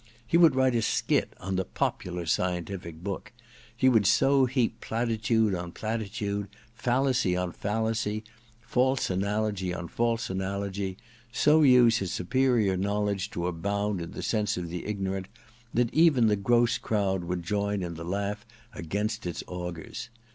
He would write a skit on the * popular * scientific book ; he would so ^ heap platitude on platitude, fallacy on fallacy, false analogy on false analogy, so use his superior knowledge to abound in the sense of the ignor ' ant, that even the gross crowd would join in the laugh against its augurs.